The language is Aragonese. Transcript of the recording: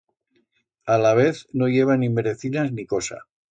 Alavez no i heba ni merecinas ni cosa.